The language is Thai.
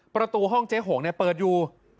ประตูห้องเจ๊หงเปิดอยู่